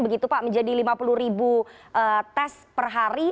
begitu pak menjadi lima puluh ribu tes per hari